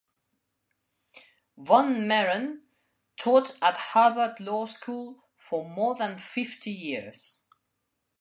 Von Mehren taught at Harvard Law School for more than fifty years.